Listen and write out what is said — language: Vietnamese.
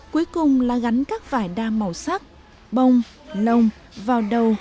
cuối cùng là gắn các vải đa màu sắc bông lông vào đầu